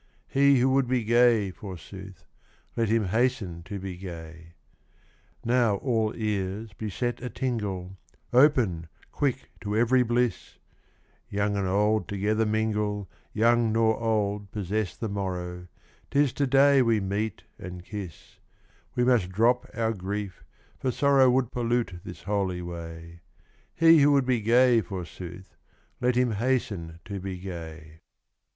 He who would be gay, forsooth, Let him hasten to be gay. 73 Now all ears be set a tingle, Open, quick to every bliss 1 Young and old together mingle, Young nor old possess the morrow, 'Tis to day we meet and kiss ; We must drop our grief, for sorrow Would pollute this holy way : He who would be gay, forsooth, Let him hasten to be gay.